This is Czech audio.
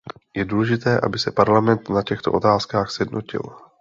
Je důležité, aby se Parlament na těchto otázkách sjednotil.